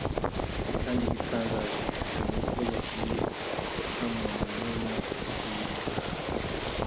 kandi igitangaje n’uko yahiye nta muntu n’umwe uyirimo”